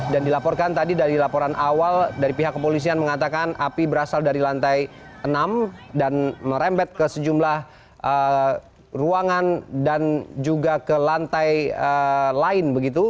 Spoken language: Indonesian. dan dilaporkan tadi dari laporan awal dari pihak kepolisian mengatakan api berasal dari lantai enam dan merembet ke sejumlah ruangan dan juga ke lantai lain